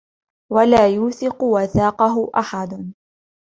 وَلَا يُوثِقُ وَثَاقَهُ أَحَدٌ